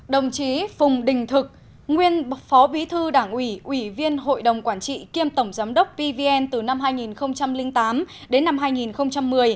đồng chí phùng đình thực nguyên phó bí thư đảng ủy ủy viên hội đồng quản trị kiêm tổng giám đốc pvn từ năm hai nghìn tám đến năm hai nghìn một mươi